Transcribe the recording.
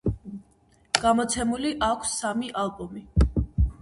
გამოცემული აქვს სამი ალბომი.